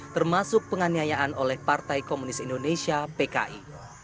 termasuk penganiayaan oleh partai komunis indonesia pki